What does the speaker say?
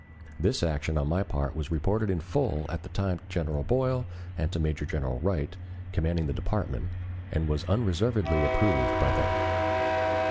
This action on my part was reported in full at the time to General Boyle and to Major General Wright, commanding the department, and was unreservedly approved by them.